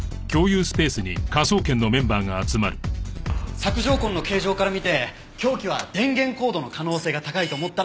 索条痕の形状から見て凶器は電源コードの可能性が高いと思ったら。